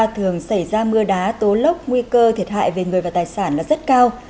thường xảy ra mưa đá tố lốc nguy cơ thiệt hại về người và tài sản là rất cao